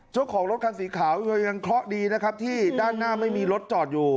เจ้าของรถคันสีขาวเธอยังเคราะห์ดีนะครับที่ด้านหน้าไม่มีรถจอดอยู่